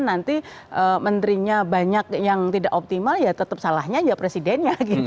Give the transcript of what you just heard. karena yang memilih presiden